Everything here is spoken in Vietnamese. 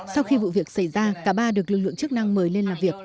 sau khi vụ việc xảy ra cả ba được lực lượng chức năng mời lên làm việc